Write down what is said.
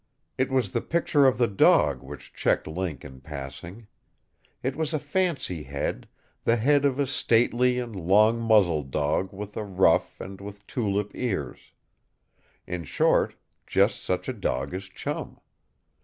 It was the picture of the dog which checked Link in passing. It was a fancy head the head of a stately and long muzzled dog with a ruff and with tulip ears. In short, just such a dog as Chum.